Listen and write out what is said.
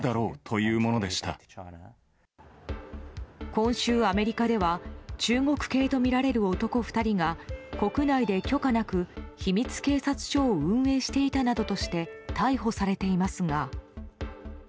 今週アメリカでは中国系とみられる男２人が国内で許可なく秘密警察署を運営していたなどとして逮捕されていますが。